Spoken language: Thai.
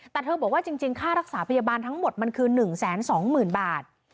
แต่เธอบอกว่าจริงค่ารักษาพยาบาลทั้งหมดมันคือ๑๒๐๐๐บาท